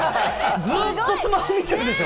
ずっとスマホ見てるでしょ？